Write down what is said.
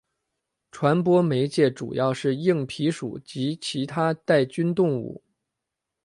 传播媒介主要是硬蜱属及其它带菌动物。